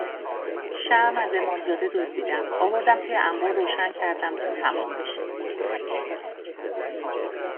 شمع از امامزاده دزدیدم، آوردم توی انبار روشن کردم تا تموم بشه